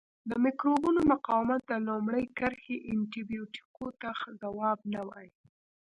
د مکروبونو مقاومت د لومړۍ کرښې انټي بیوټیکو ته ځواب نه وایي.